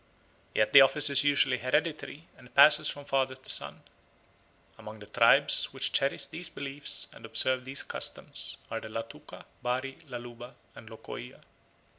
Yet the office is usually hereditary and passes from father to son. Among the tribes which cherish these beliefs and observe these customs are the Latuka, Bari, Laluba, and Lokoiya.